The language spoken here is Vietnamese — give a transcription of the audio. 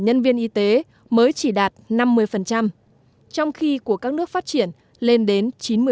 nhân viên y tế mới chỉ đạt năm mươi trong khi của các nước phát triển lên đến chín mươi